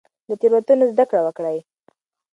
له تېروتنو زده کړه وکړئ.